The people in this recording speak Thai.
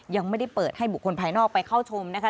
ยังไม่ได้เปิดให้บุคคลภายนอกไปเข้าชมนะคะ